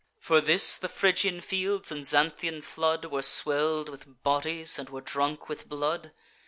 For this the Phrygian fields and Xanthian flood Were swell'd with bodies, and were drunk with blood?